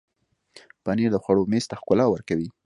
پنېر د خوړو میز ته ښکلا ورکوي.